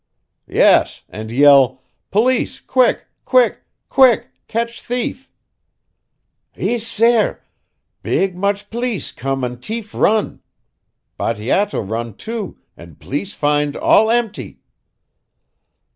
"Yes, and yell, 'Police quick, quick, quick catch thief.'" "Ees, sair, big much pleece come and tief run. Bateato run too and pleece find all empty."